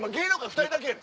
２人だけ。